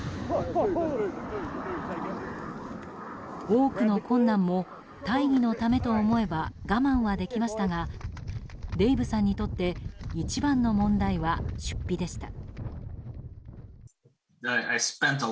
多くの困難も大義のためと思えば我慢はできましたがデイブさんにとって一番の問題は、出費でした。